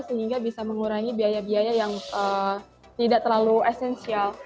sehingga bisa mengurangi biaya biaya yang tidak terlalu esensial